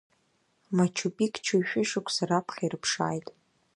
Мачу-Пикчу шәышықәса раԥхьа ирыԥшааит.